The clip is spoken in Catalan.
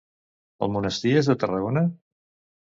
El monestir és de Tarragona?